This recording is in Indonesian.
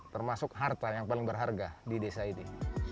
termasuk harta yang paling berharga di desa ini